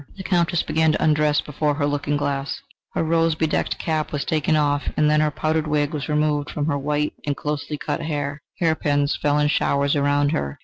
The Countess began to undress before her looking glass. Her rose bedecked cap was taken off, and then her powdered wig was removed from off her white and closely cut hair. Hairpins fell in showers around her.